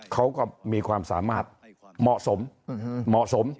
เขาก็มีความสามารถเหมาะสม